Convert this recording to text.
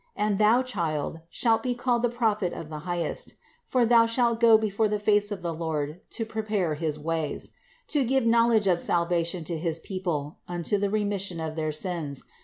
76. And thou, child, shalt be called the prophet of the Highest : for thou shalt go before the face of the Lord to prepare his ways : 77. To give knowledge of salvation to his people: unto the remission of their sins : 78.